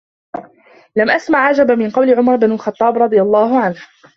لَمْ أَسْمَعْ أَعْجَبَ مِنْ قَوْلِ عُمَرَ بْنِ الْخَطَّابِ رَضِيَ اللَّهُ عَنْهُ